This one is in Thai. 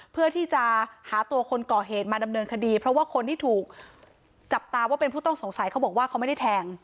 เพื่อที่จะหาตัวคนก่อเหตุมาดำเนินคดีเพราะว่าคนที่ถูกจับตาว่าเป็นผู้ต้องสงสัยเขาบอกว่าเขาไม่ได้แทง